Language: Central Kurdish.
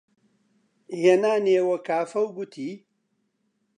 هێنانیوە کافە و گوتی: